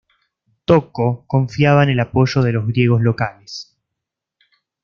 Tocco confiaba en el apoyo de los griegos locales.